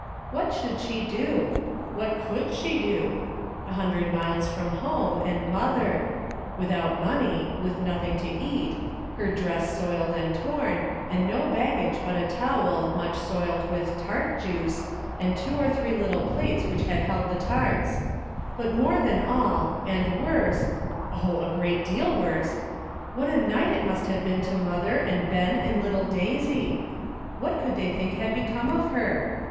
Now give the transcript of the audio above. What should she do? What could she do? A hundred miles from home and mother! Without money, with nothing to eat; her dress soiled and torn, and no baggage but a towel much soiled with tart juice, and two or three little plates which had held the tarts ; but more than all, and worse — oh! a great deal worse — what a night it must have been to mother and Ben and little Daisy! What could they think had become of her?